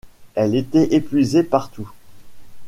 Elle était épuisés partout.